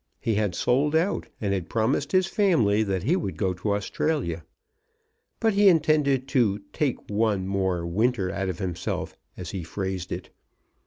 He had sold out, and had promised his family that he would go to Australia. But he intended to "take one more winter out of himself," as he phrased it.